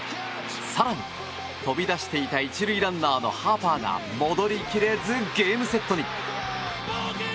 更に、飛び出していた１塁のランナーのハーパーが戻り切れず、ゲームセットに。